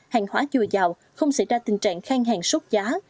hàng hóa chưa giàu không xảy ra tình trạng khang hàng sốt giá